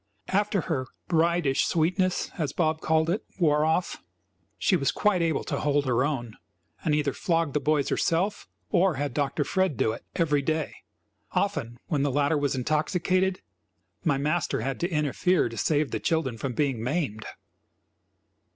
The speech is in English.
After her "bridish sweetness" as Bob called it wore off, she was quite able to hold her own, and either flogged the boys herself, or had Dr. Fred do it, every day. Often, when the latter was intoxicated, my master had to interfere to save the children from being maimed.